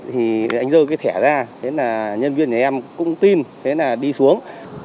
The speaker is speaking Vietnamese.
thì anh dơ cái thẻ ra thế là nhân viên nhà em cũng tin thế là đi xuống